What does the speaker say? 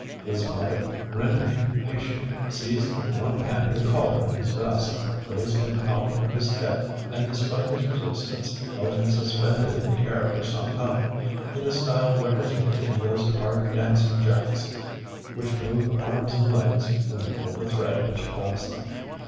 His mother, rendered impatient, seized with one hand the collar of his vest, raised him out of this depth, and despite his resistance held him suspended in the air for some time in the style represented in those card dancing jacks, which move arms and legs when you pull the thread which holds them.